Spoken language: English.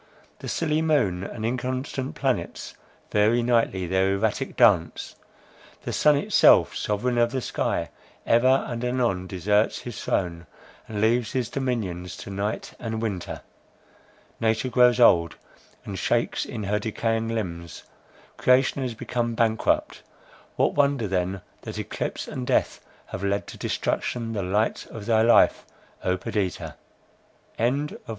The silly moon and inconstant planets vary nightly their erratic dance; the sun itself, sovereign of the sky, ever and anon deserts his throne, and leaves his dominion to night and winter. Nature grows old, and shakes in her decaying limbs,—creation has become bankrupt! What wonder then, that eclipse and death have led to destruction the light of thy life, O Perdita!" CHAPTER IX.